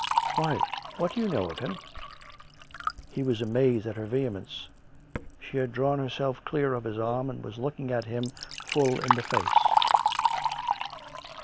" Why, what do you know of him.'' " He was amazed at her vehemence. She had drawn her self clear of his arm and was looking at him full in the face.